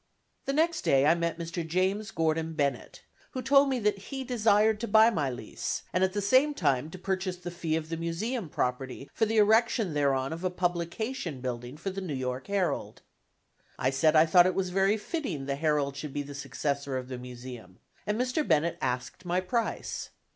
The next day I met Mr. James Gordon Bennett, who told me that he desired to buy my lease, and at the same time to purchase the fee of the museum property, for the erection thereon of a publication building for the New York Herald. I said I thought it was very fitting the Herald should be the successor of the Museum; and Mr. Bennett asked my price.